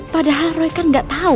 padahal roy kan gak tau